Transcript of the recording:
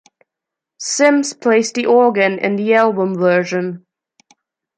Sims plays the organ in the album version.